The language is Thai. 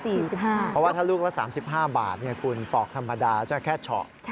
เพราะว่าถ้าลูกละ๓๕บาทคุณปอกธรรมดาจะแค่เฉาะ